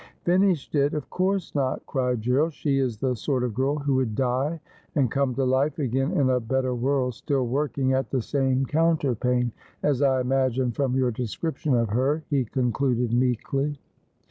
' Finished it ! Of course not,' cried G erald. ' She is the sort of girl who would die, and come to life again in a better world still working at the same counterpane — as I imagine from your description of her,' he concluded meekly.